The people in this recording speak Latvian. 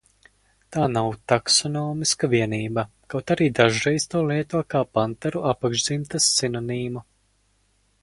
Tā nav taksonomiska vienība, kaut arī dažreiz to lieto kā panteru apakšdzimtas sinonīmu.